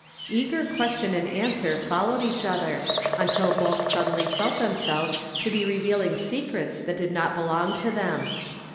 Eager question and answer followed each other, until both suddenly felt themselves to be revealing secrets that did not belong to them.